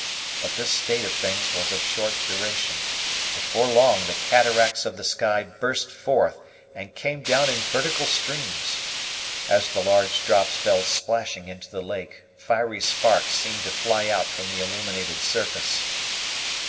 But this state of things was of short duration; before long the cataracts of the sky burst forth, and came down in vertical streams. As the large drops fell splashing into the lake, fiery sparks seemed to fly out from the illuminated surface.